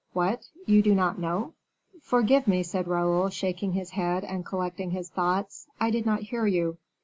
"What! you do not know?" "Forgive me," said Raoul, shaking his head, and collecting his thoughts, "I did not hear you."